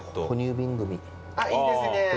いいですね。